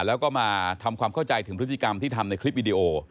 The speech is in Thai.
แล้วก็มาทำความเข้าใจถึงพฤติกรรมที่ทำในคลิปวิดีโอ